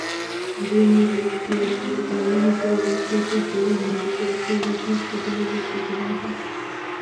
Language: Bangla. জহিরুলকে গুরুতর আহত অবস্থায় চট্টগ্রাম মেডিকেল কলেজ হাসপাতালে ভর্তি করা হয়।